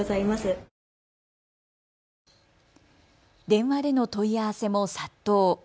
電話での問い合わせも殺到。